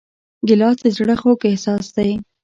ګیلاس د زړه خوږ احساس دی.